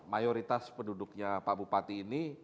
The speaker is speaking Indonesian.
mayoritas penduduknya pak bupati ini